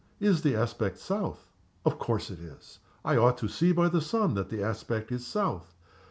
Is the aspect south? Of course it is! I ought to see by the sun that the aspect is south.